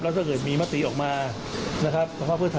แล้วถ้าเกิดมีมตรีออกมาเพราะว่าเพื่อนทายได้เป็นแก่นำ